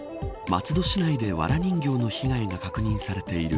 松戸市内で、わら人形の被害が確認されている